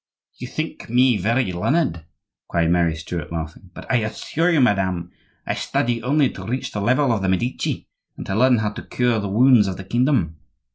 "You think me very learned," cried Mary Stuart, laughing, "but I assure you, madame, I study only to reach the level of the Medici, and learn how to cure the wounds of the kingdom."